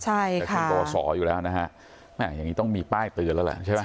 ใช่ค่ะแต่ตอนประวัติศาสตร์อยู่แล้วนะคะอย่างนี้ต้องมีป้ายเตือนแล้วแหละใช่ไหม